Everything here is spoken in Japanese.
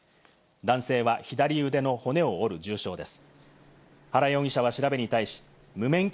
男性は左腕の骨を折る重傷です。